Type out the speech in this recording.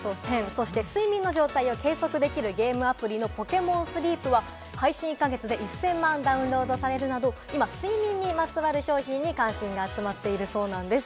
そして睡眠の状態を計測できるゲームアプリのポケモンスリープは配信１か月で１０００万ダウンロードされるなど、今、睡眠にまつわる商品に関心が集まっているそうなんです。